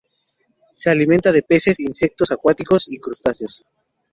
Se alimenta de peces, insectos acuáticos y crustáceos.